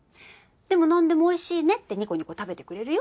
でもなんでもおいしいねってニコニコ食べてくれるよ。